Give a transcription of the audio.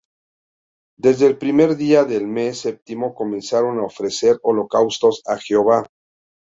Desde el primer día del mes séptimo comenzaron á ofrecer holocaustos á Jehová;